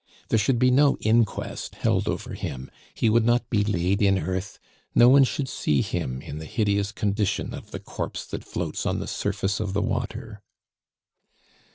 There should be no inquest held over him, he would not be laid in earth; no one should see him in the hideous condition of the corpse that floats on the surface of the water.